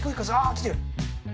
来てる。